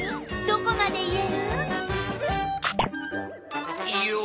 どこまで言える？